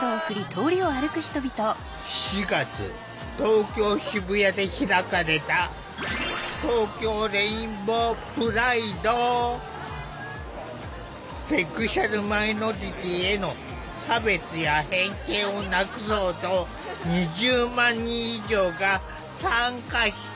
４月東京・渋谷で開かれたセクシュアルマイノリティーへの差別や偏見をなくそうと２０万人以上が参加した。